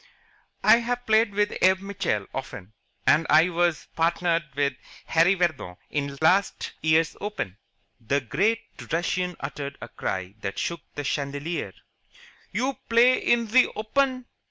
"I've played with Abe Mitchell often, and I was partnered with Harry Vardon in last year's Open." The great Russian uttered a cry that shook the chandelier. "You play in ze Open?